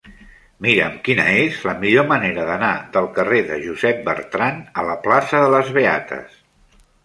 Mira'm quina és la millor manera d'anar del carrer de Josep Bertrand a la plaça de les Beates.